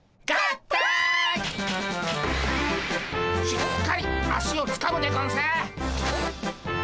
しっかり足をつかむでゴンス。